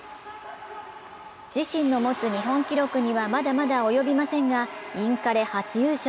自身の持つ日本記録にはまだまだ及びませんがインカレ初優勝。